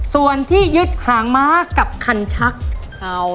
แล้ววันนี้ผมมีสิ่งหนึ่งนะครับเป็นตัวแทนกำลังใจจากผมเล็กน้อยครับ